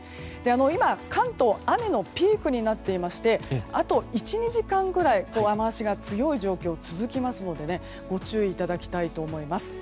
今、関東雨のピークになっていましてあと１２時間ぐらい雨脚が強い状況が続きますのでご注意いただきたいと思います。